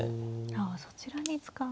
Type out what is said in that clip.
あそちらに使う。